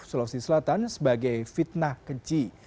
sulawesi selatan sebagai fitnah keji